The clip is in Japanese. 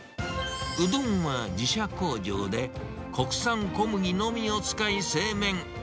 うどんは自社工場で、国産小麦のみを使い製麺。